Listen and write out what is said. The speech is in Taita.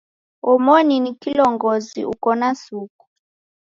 Omoni ni kilongozi uko na suku.